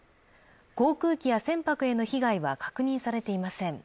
航空機や船舶への被害は確認されていません。